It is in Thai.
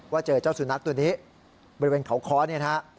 เจอเจ้าสุนัขตัวนี้บริเวณเขาค้อเนี่ยนะฮะ